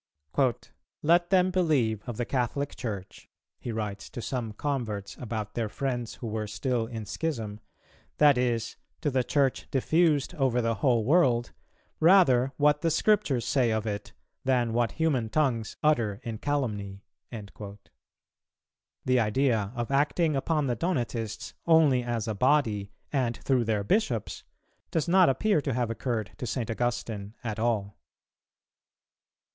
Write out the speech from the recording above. "Let them believe of the Catholic Church," he writes to some converts about their friends who were still in schism, "that is, to the Church diffused over the whole world, rather what the Scriptures say of it than what human tongues utter in calumny." The idea of acting upon the Donatists only as a body and through their bishops, does not appear to have occurred to St. Augustine at all.